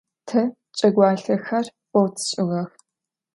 Te cegualhexer beu tş'ığex.